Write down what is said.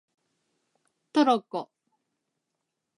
トロッコ